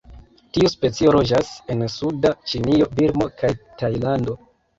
Tiu specio loĝas en suda Ĉinio, Birmo kaj Tajlando.